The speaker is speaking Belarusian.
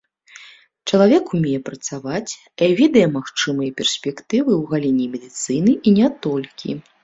Чалавек умее працаваць, ведае магчымыя перспектывы ў галіне медыцыны і не толькі.